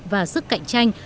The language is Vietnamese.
và sức cạnh tranh